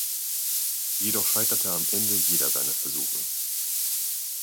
Jedoch scheiterte am Ende jeder seiner Versuche.